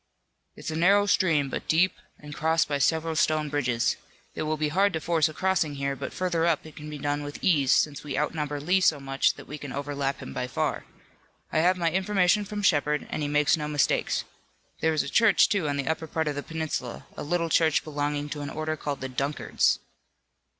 "It's a narrow stream, but deep, and crossed by several stone bridges. It will be hard to force a crossing here, but further up it can be done with ease since we outnumber Lee so much that we can overlap him by far. I have my information from Shepard, and he makes no mistakes. There is a church, too, on the upper part of the peninsula, a little church belonging to an order called the Dunkards."